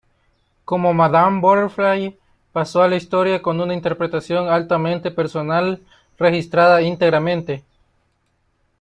Como Madama Butterfly pasó a la historia con una interpretación altamente personal registrada integralmente.